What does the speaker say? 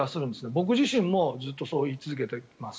僕自身もずっとそう言い続けています。